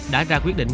đã ra quyết định